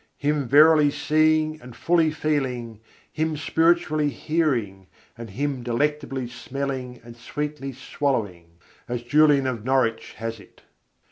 "Him verily seeing and fully feeling, Him spiritually hearing and Him delectably smelling and sweetly swallowing," as Julian of Norwich has it.